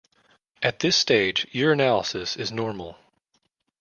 At this stage urinalysis is normal.